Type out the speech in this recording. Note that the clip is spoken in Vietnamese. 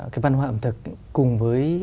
cái văn hóa ẩm thực cùng với